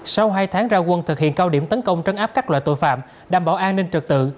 sau hai tháng ra quân thực hiện cao điểm tấn công trấn áp các loại tội phạm đảm bảo an ninh trực tự